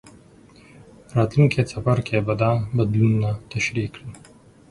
راتلونکی څپرکی به دا بدلونونه تشریح کړي.